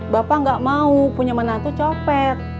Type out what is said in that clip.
bapak nggak mau punya menantu copet